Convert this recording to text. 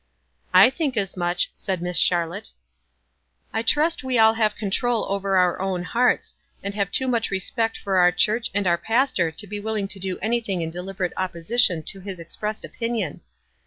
"I think as much," said Miss Charlotte. "I trust we aU have control over our own hearts, and have too much respect for our church and our pastor to be willing to do any thing in deliberate opposition to his expressed opinion."